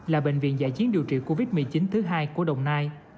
là bệnh viện giải chiến điều trị covid một mươi chín thứ hai của đồng nai